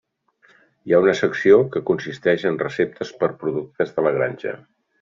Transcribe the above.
Hi ha una secció que consisteix en receptes pels productes de la granja.